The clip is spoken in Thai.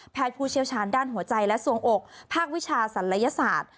ผู้เชี่ยวชาญด้านหัวใจและส่วงอกภาควิชาศัลยศาสตร์